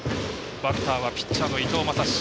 バッターはピッチャーの伊藤将司。